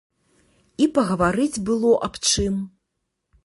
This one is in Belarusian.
І пагаварыць было аб чым.